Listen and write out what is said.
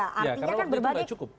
karena waktu itu tidak cukup